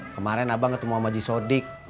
kemarin abang ketemu sama jisodik